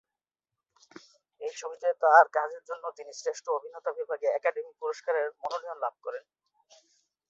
এই ছবিতে তার কাজের জন্য তিনি শ্রেষ্ঠ অভিনেতা বিভাগে একাডেমি পুরস্কারের মনোনয়ন লাভ করেন।